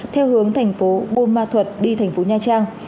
theo hướng thành phố buôn ma thuật đi thành phố nha trang